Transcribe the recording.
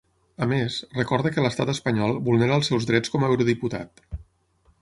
A més, recorda que l’estat espanyol vulnera els seus drets com a eurodiputat.